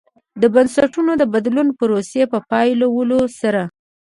د بنسټونو د بدلون پروسې په پیلولو سره.